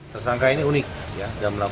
tersangka ini unik jam delapan